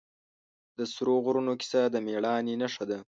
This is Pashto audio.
د سرو غرونو کیسه د مېړانې نښه ده.